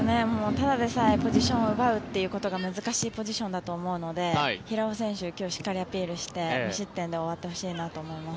ただでさえポジションを奪うことが難しいポジションだと思うので平尾選手は今日しっかりアピールして無失点で終わってほしいと思います。